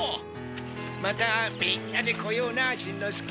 またみんなで来ようなしんのすけ。